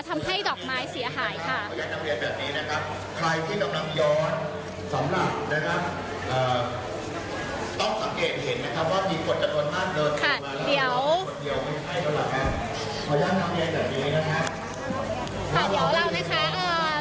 ทำให้ดอกไม้เสียหายค่ะเดี๋ยวเรานะคะอ่า